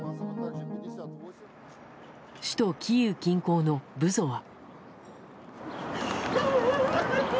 首都キーウ近郊のブゾワ。